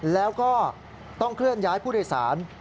แล้วก็ต้องเคลื่อนย้ายผู้โดยสาร